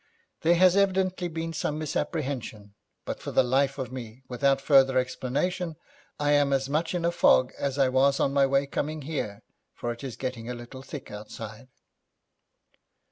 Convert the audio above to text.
There has evidently been some misapprehension, but for the life of me, without further explanation, I am as much in a fog as I was on my way coming here, for it is getting a little thick outside.'